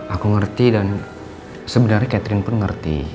aku ngerti dan sebenarnya catherine pun ngerti